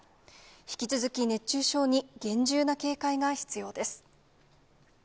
引き続き熱中症に厳重な警戒が必要です。